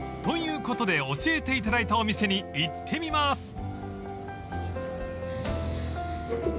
［ということで教えていただいたお店に行ってみます］